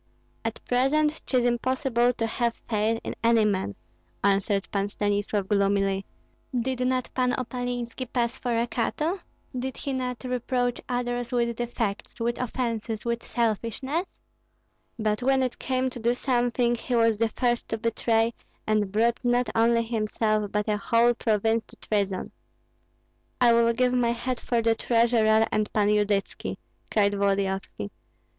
"At present 'tis impossible to have faith in any man," answered Pan Stanislav, gloomily. "Did not Pan Opalinski pass for a Cato? Did he not reproach others with defects, with offences, with selfishness? But when it came to do something, he was the first to betray, and brought not only himself, but a whole province to treason." "I will give my head for the treasurer and Pan Yudytski!" cried Volodyovski.